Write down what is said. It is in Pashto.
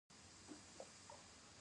دا خبره د پینکني د څېړنو پر بنسټ کوو.